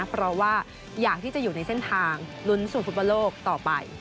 เพราะว่าอยากที่จะอยู่ในเส้นทางลุนสวดฺลูกศักดิ์ฟุตประโลกรอบต่อไป